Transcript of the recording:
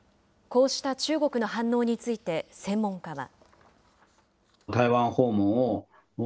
こうした中国の反応について、専門家は。